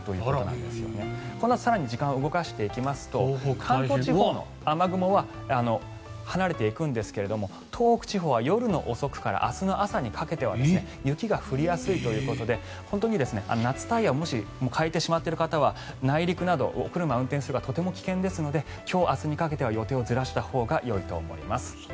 このあと更に時間を動かしていくと関東地方の雨雲は離れていくんですが東北地方は夜の遅くから明日の朝にかけては雪が降りやすいということで夏タイヤを換えてしまっている方は内陸など、お車を運転する場合は危険ですので今日、明日にかけては予定をずらしたほうがいいと思います。